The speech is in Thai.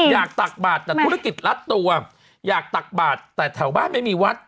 ตักบาทแต่ธุรกิจรัดตัวอยากตักบาทแต่แถวบ้านไม่มีวัด